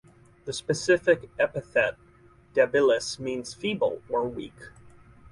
The specific epithet ("debilis") means "feeble" or "weak".